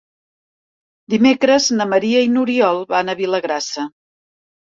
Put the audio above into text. Dimecres na Maria i n'Oriol van a Vilagrassa.